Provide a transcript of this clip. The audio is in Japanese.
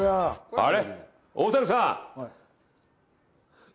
あれ？